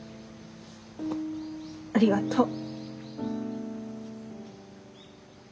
ありがとう。